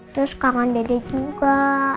terus kangen dede juga